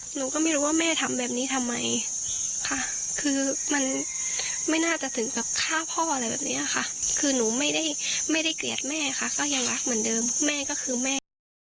หนูก็ไม่รู้ว่าแม่ทำแบบนี้ทำไมค่ะคือมันไม่น่าจะถึงกับฆ่าพ่ออะไรแบบนี้ค่ะคือหนูไม่ได้ไม่ได้เกลียดแม่ค่ะก็ยังรักเหมือนเดิมแม่ก็คือแม่